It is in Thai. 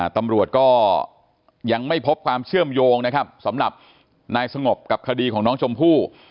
ตำรวจก็ยังไม่พบความเชื่อมโยงนะครับสำหรับนายสงบกับคดีของน้องชมพู่